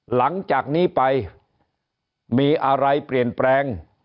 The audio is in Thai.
หลังจากนี้ไปมีอะไรเปลี่ยนแปลง